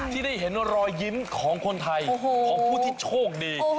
ที่ได้เห็นรอยยิ้มของคนไทยของผู้ที่โชคดี